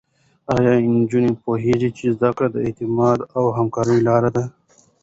ایا نجونې پوهېږي چې زده کړه د اعتماد او همکارۍ لاره ده؟